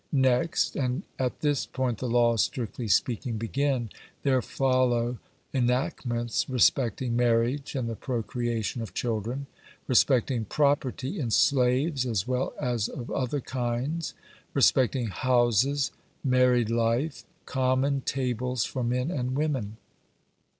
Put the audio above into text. Next and at this point the Laws strictly speaking begin there follow enactments respecting marriage and the procreation of children, respecting property in slaves as well as of other kinds, respecting houses, married life, common tables for men and women.